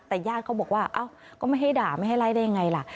แต่ญาติเขาบอกว่าเอ้าก็ไม่ให้ด่าไม่ให้ไล่ได้ยังไงล่ะ